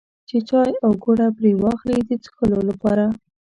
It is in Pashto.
چې چای او ګوړه پرې واخلي د څښلو لپاره.